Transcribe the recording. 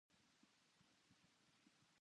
月の光が、静かに庭を照らしている。